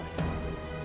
aku gak tahu ini